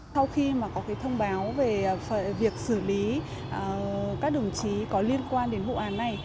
sau khi mà có thông báo về việc xử lý các đồng chí có liên quan đến vụ án này